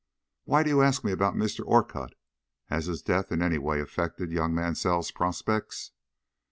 "Why do you ask me about Mr. Orcutt? Has his death in any way affected young Mansell's prospects?"